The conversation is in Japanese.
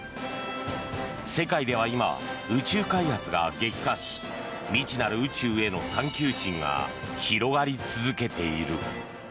世界では今、宇宙開発が激化し未知なる宇宙への探究心が広がり続けている。